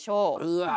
うわ！